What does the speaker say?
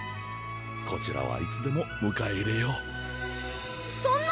こちらはいつでもむかえ入れようそんな！